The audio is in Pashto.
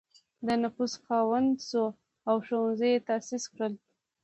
د نفوذ خاوند شو او ښوونځي یې تأسیس کړل.